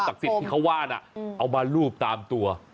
ตักศิษย์ที่เขาว่านอ่ะเอามารูปตามตัว